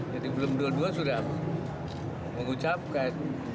jadi belum dua puluh dua sudah mengucapkan